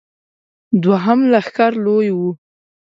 دوهم لښکر لوی و.